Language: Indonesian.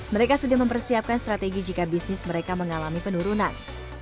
mereka sudah mempersiapkan strategi jika bisnis mereka mengalami penurunan